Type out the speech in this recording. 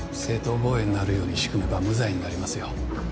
正当防衛になるように仕組めば無罪になりますよ。